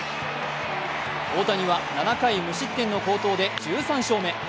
大谷は７回無失点の好投で１３勝目。